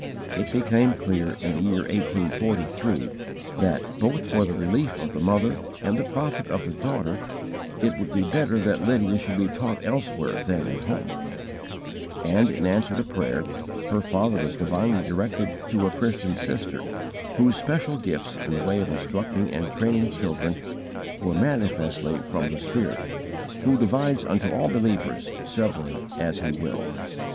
It became clear in the year 1843, that, both for the relief of the mother and the profit of the daughter, it would be better that Lydia should be taught elsewhere than at home; and in answer to prayer, her father was divinely directed to a Christian sister, whose special gifts in the way of instructing and training children were manifestly from the Spirit, who divides unto all believers severally as He will.